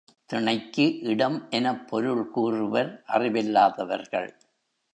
திணைக்கு இடம் எனப் பொருள் கூறுவர் அறிவில்லாதவர்கள்.